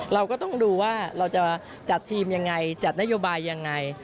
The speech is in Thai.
เราก็ต้องดูว่าเราจะจัดทีมยังไงจัดนโยบายยังไง